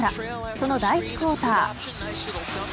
その第１クオーター。